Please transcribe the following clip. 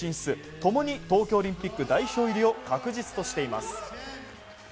共に東京オリンピック代表入りを確実としています。